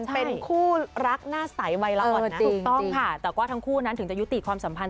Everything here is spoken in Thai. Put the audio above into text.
เป็นคู่รักหน้าใสวัยละอ่อนนะถูกต้องค่ะแต่ก็ทั้งคู่นั้นถึงจะยุติความสัมพันธ